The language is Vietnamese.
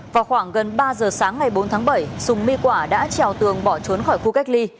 vào khoảng gần ba giờ sáng ngày bốn tháng bảy sùng my quả đã trèo tường bỏ trốn khỏi khu cách ly